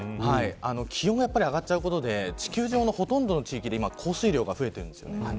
気温が上がることで地球上のほとんどの地域で降水量が増えてるんですよね。